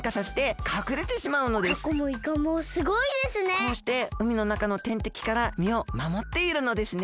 こうしてうみのなかのてんてきからみをまもっているのですね。